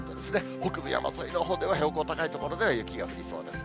北部山沿いのほうでは、標高高い所では雪が降りそうです。